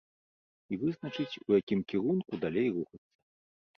І вызначыць, у якім кірунку далей рухацца.